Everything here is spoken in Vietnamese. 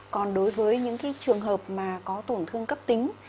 còn đối với những trường hợp mà có tổn thương cấp tính